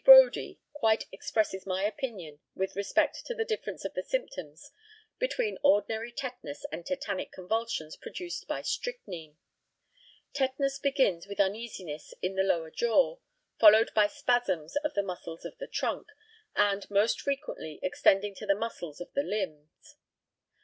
Brodie quite expresses my opinion with respect to the difference of the symptoms between ordinary tetanus and tetanic convulsions produced by strychnine. Tetanus begins with uneasiness in the lower jaw, followed by spasms of the muscles of the trunk, and most frequently extending to the muscles of the limbs.